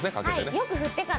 よく振ってから。